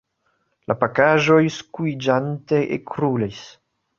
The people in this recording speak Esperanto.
La pakaĵoj skuiĝante ekrulis.